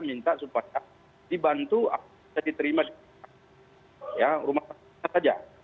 minta supaya dibantu bisa diterima rumah sakit saja